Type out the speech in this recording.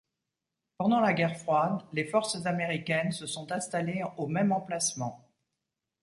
Pendant la guerre froide, les forces américaines se sont installées au même emplacement.